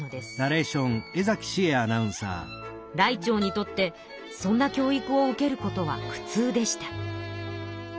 らいてうにとってそんな教育を受けることは苦痛でした。